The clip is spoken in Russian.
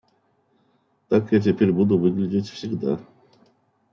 Так я теперь буду выглядеть всегда!